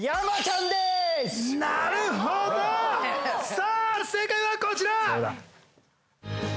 さぁ正解はこちら！